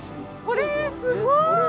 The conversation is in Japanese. これすごい！